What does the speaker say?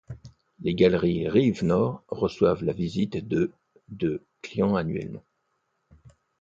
Les Galeries Rive Nord reçoivent la visite de de clients annuellement.